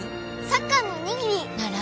サッカーのおにぎり。